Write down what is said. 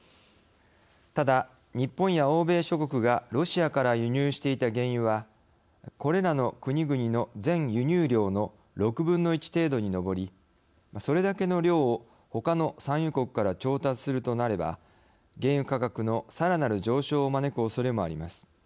ただ日本や欧米諸国がロシアから輸入していた原油はこれらの国々の全輸入量の６分の１程度に上りそれだけの量をほかの産油国から調達するとなれば原油価格の更なる上昇を招くおそれもあります。